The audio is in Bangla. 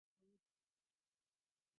হামলা সম্পন্ন হয়েছে।